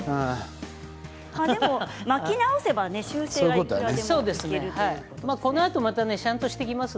でも巻き直せば修正がいくらでもできると。